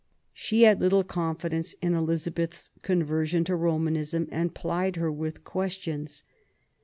She had little confidence in Elizabeth's conversion to Ro^ manism and plied her with questions.